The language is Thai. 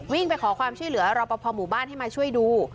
วิ่งไปขอความช่วยเหลือรับประพันธ์หมู่บ้านให้มาช่วยดู